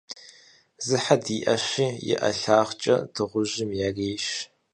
Зы хьэ диӀэщи, и ӀэлагъкӀэ дыгъужьми ярейщ.